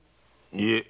いえ。